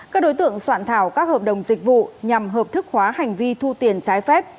các đối tượng soạn thảo các hợp đồng dịch vụ nhằm hợp thức hóa hành vi thu tiền trái phép